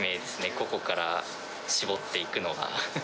ここから絞っていくのが。